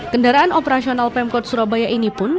kendaraan operasional pemkot surabaya ini pun